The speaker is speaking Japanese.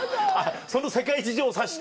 その世界事情を察して。